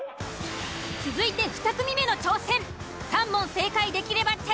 続いて２組目の挑戦。